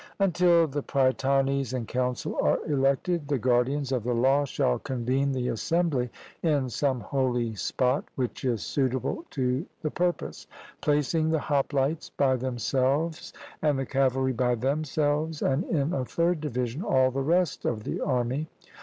Until the prytanes and council are elected, the guardians of the law shall convene the assembly in some holy spot which is suitable to the purpose, placing the hoplites by themselves, and the cavalry by themselves, and in a third division all the rest of the army.